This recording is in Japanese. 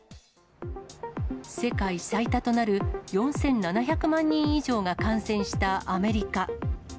世界最多となる４７００万人以上が感染したアメリカ。